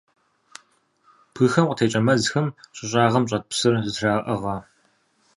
Бгыхэм къытекӀэ мэзхэм щӀы щӀагъым щӀэт псыр зэтраӀыгъэ.